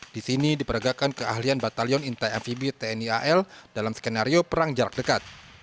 di sini diperagakan keahlian batalion intai amfibi tni al dalam skenario perang jarak dekat